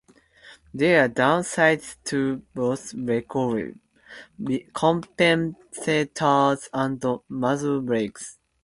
There are downsides to both recoil compensators and muzzle brakes.